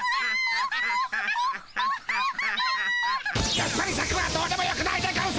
やっぱりシャクはどうでもよくないでゴンス！